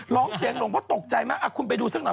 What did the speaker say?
ร้องเสียงหลงเพราะตกใจมากคุณไปดูสักหน่อย